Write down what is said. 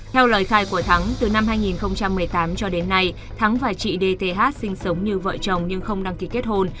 theo lời khai của thắng từ năm hai nghìn một mươi tám cho đến nay thắng và chị dth sinh sống như vợ chồng nhưng không đăng ký kết hôn